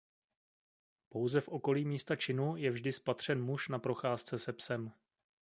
Pouze v okolí místa činu je vždy spatřen muž na procházce se psem.